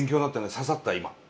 刺さった今。